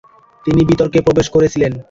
তিনি বিতর্কে প্রবেশ করেছিলেন।